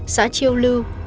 xã chiêu lưu